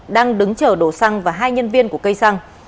đang đứng chở đồ xăng và hai nhân viên của cây xăng